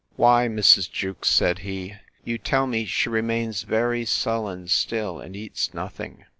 Why, Mrs. Jewkes, said he, you tell me she remains very sullen still, and eats nothing.